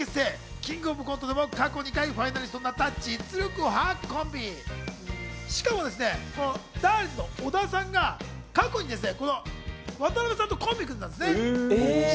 キングオブコントでも過去２回ファイナリストになった実力派コンビ、しかもですね、だーりんず・小田さんが過去にこの渡辺さんとコンビ組んでたんですよね。